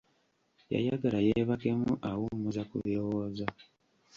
Yayagala yeebakemu awummuza ku kirowoozo.